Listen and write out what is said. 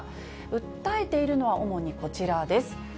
訴えているのは主にこちらです。